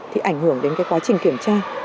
thì ảnh hưởng đến cái quá trình kiểm tra